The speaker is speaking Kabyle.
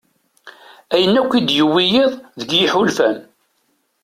Ayen akk i d-yewwi yiḍ deg yiḥulfan.